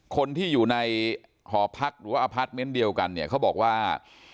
คนที่อยู่ในหอพักหรือว่าอพาร์ทเมนต์เดียวกันเนี่ยเขาบอกว่า